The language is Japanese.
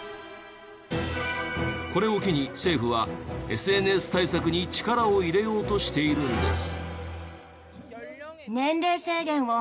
これを機に政府はＳＮＳ対策に力を入れようとしているんです。